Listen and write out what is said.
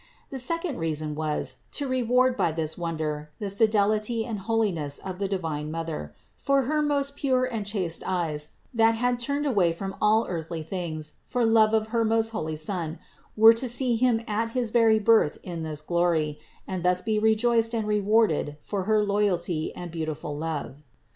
The second reason was to reward by this wonder the fidelity and holiness of the divine Mother; for her most pure and chaste eyes, that had turned away from all earthly things for love of her most holy Son, were to see Him at his very Birth in this glory and thus be rejoiced and rewarded for her loyalty and beautiful love.